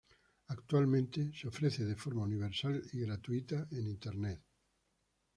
Actualmente se ofrece de forma universal y gratuita en internet.